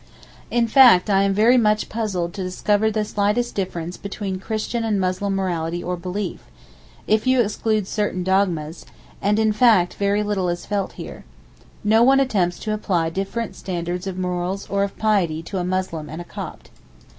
In fact, I am very much puzzled to discover the slightest difference between Christian and Muslim morality or belief—if you exclude certain dogmas—and in fact, very little is felt here. No one attempts to apply different standards of morals or of piety to a Muslim and a Copt.